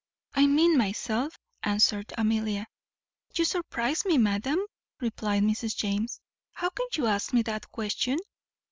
"I mean myself," answered Amelia. "You surprize me, madam," replied Mrs. James: "how can you ask me that question?"